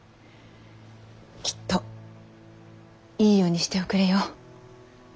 きっといい世にしておくれよ。